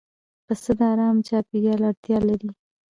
پسه د آرام چاپېریال اړتیا لري.